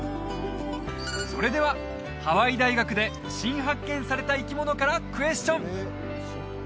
それではハワイ大学で新発見された生き物からクエスチョン！